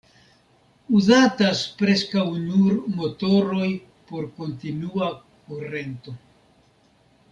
Uzatas preskaŭ nur motoroj por kontinua kurento.